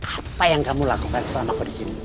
apa yang kamu lakukan selama aku di sini